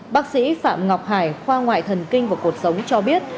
bác sĩ phạm ngọc hải khoa ngoại thần kinh và cuộc sống cho biết